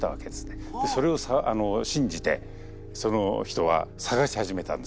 それを信じてその人は探し始めたんですよ。